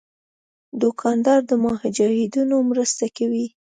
دوکاندار د مجاهدینو مرسته کوي.